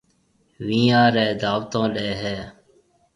وينيان رَي دعوتون ڏَي ھيََََ